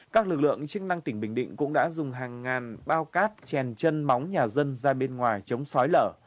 các lực lượng chức năng tỉnh bình định cũng đã dùng hàng ngàn bao cát chèn chân móng nhà dân ra bên ngoài chống sói lở